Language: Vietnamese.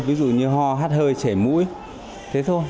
ví dụ như ho hát hơi trẻ mũi thế thôi